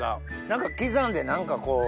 何か刻んで何かこう。